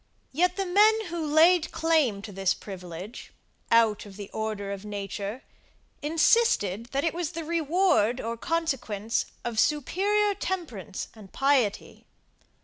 Yet the men who laid claim to this privilege, out of the order of nature, insisted, that it was the reward or consequence of superior temperance and piety.